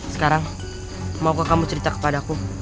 sekarang maukah kamu cerita kepadaku